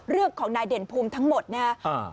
เรื่องของนายเด่นภูมิทั้งหมดนะครับ